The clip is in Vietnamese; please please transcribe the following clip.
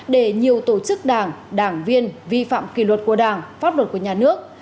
để nhiều tổ chức đảng đảng viên vi phạm kỳ luật của đảng pháp luật của nhà nước